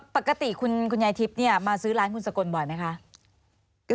ปกติคุณยัยทิปมาซื้อกับล้านหุ่นสะกดบ่อยไหมคะ